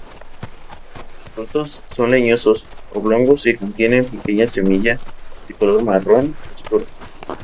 Los frutos son leñosos, oblongos y contienen pequeñas semilla de color marrón oscuro.